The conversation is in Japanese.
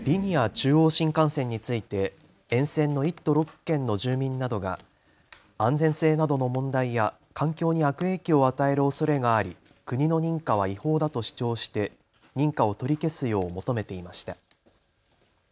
中央新幹線について沿線の１都６県の住民などが安全性などの問題や環境に悪影響を与えるおそれがあり国の認可は違法だと主張して認可を取り消すよう求めていました。